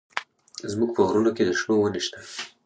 زموږ په غرونو کښې د شنو ونې سته.